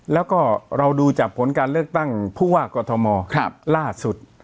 แล้วก็เราดูจากผลการเลือกตั้งผู้ว่ากอทมล่าสุด